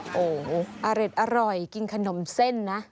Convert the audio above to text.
โอ้โหอร่อยกินขนมเส้นนะ